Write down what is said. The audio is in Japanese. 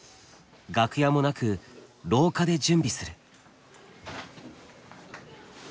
楽屋もなく廊下で準備する。